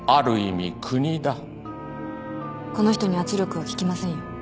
この人に圧力は効きませんよ。